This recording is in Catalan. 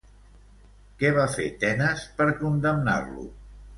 Què va fer Tenes per condemnar-lo?